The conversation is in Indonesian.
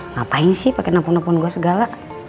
ngapain sih pake napun napun gua segala